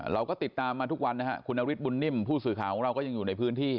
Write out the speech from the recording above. เราก็ติดตามมาทุกวันนะฮะคุณนฤทธบุญนิ่มผู้สื่อข่าวของเราก็ยังอยู่ในพื้นที่